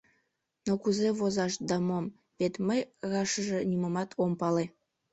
Но кузе возаш да мом, вет мый рашыже нимомат ом пале».